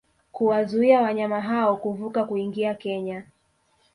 kuwazuia wanyama hao kuvuka kuingia Kenya